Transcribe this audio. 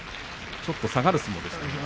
ちょっと下がる相撲でしたね。